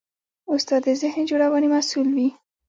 استاد د ذهن جوړونې مسوول وي.